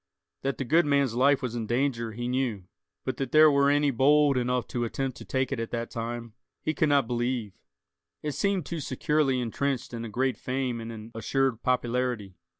That the good man's life was in danger, he knew; but that there were any bold enough to attempt to take it at that time, he could not believe. It seemed too securely intrenched in a great fame and an assured popularity.